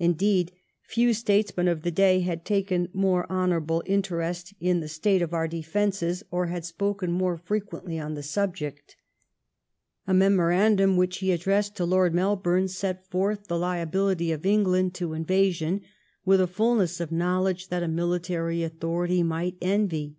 Indeed, few statesmen of the day had taken more honourable interest in the state of 14A LIFE OF VISCOUNT PALMBBSTON. our defenoesy or had spoken more frequently on the mihject. A memorandum which he addressed to Lord Melboarnej set forth the liability of England to invasion with a fulness of knowledge diat a military authority might envy.